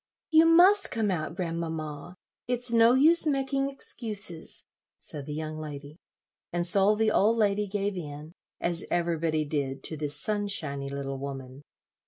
"You must come out, grandmamma; it's no use making excuses," said the young lady; and so the old lady gave in, as everybody did to this sunshiny little woman.